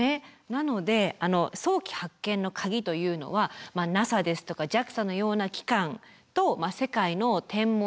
なので早期発見のカギというのはＮＡＳＡですとかＪＡＸＡのような機関と世界の天文台の連携なんですね。